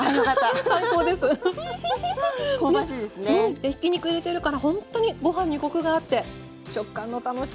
でひき肉入れてるからほんとにご飯にコクがあって食感の楽しさもうれしいです。